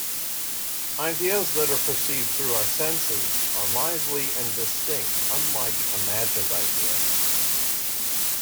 Ideas that are perceived through our senses are lively and distinct, unlike imagined ideas.